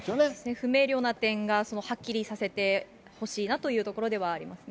不明瞭な点が、はっきりさせてほしいなというところではありますね。